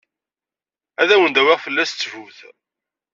Ad wen-d-awiɣ fell-as ttbut.